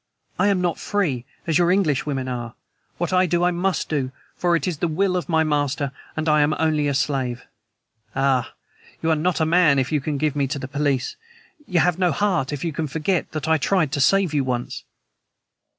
"I am not free, as your English women are. What I do I must do, for it is the will of my master, and I am only a slave. Ah, you are not a man if you can give me to the police. You have no heart if you can forget that I tried to save you once."